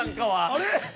あれ？